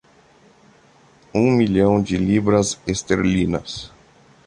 Um milhão de libras esterlinas